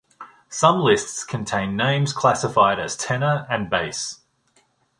Some lists contain names classified as tenor and bass.